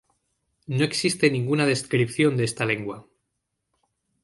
No existe ninguna descripción de esta lengua.